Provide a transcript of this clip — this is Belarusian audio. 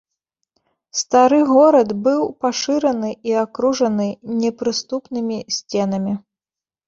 Стары горад быў пашыраны і акружаны непрыступнымі сценамі.